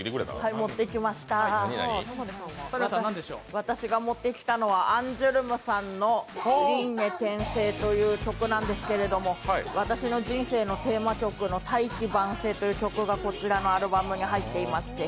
私が持ってきたのは、アンジュルムさんの「輪廻転生」という曲なんですけれども私の人生のテーマ曲の「大器晩成」という曲がこちらのアルバムに入っていまして、